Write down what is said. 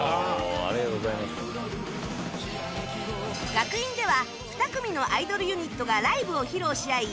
学院では２組のアイドルユニットがライブを披露し合い